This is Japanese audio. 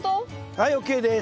はいＯＫです。